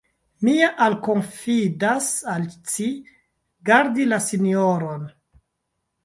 Mi alkonfidas al ci, gardi la sinjoron.